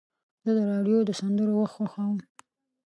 زه د راډیو د سندرو وخت خوښوم.